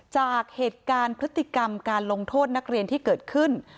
จากเหตุการณ์พฤติกรรมการลงโทษนักเรียนที่เกิดขึ้น